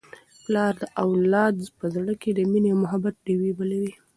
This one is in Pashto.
پلار د اولاد په زړه کي د مینې او محبت ډېوې بلوي.